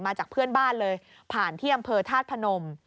จากเพื่อนบ้านเลยผ่านที่อำเภอธาตุพนม